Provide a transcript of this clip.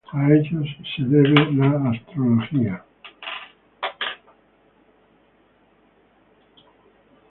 A ellos se debe la "astrología".